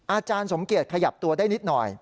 อาจารย์สมเกียจขยับตัวได้นิดหน่อย